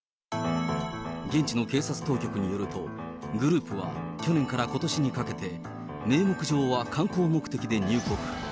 現地の警察当局によると、グループは去年からことしにかけて名目上は観光目的で入国。